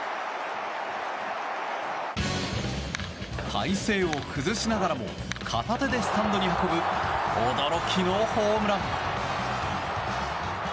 体勢を崩しながらも片手でスタンドに運ぶ驚きのホームラン。